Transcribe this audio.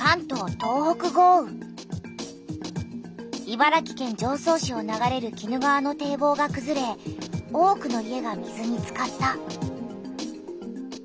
茨城県常総市を流れる鬼怒川の堤防がくずれ多くの家が水につかった。